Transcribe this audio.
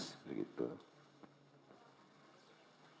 apa ada pengaruhnya kata kata ini terhadap masyarakat secara luas